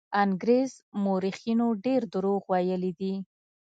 انګرېز مورخینو ډېر دروغ ویلي دي.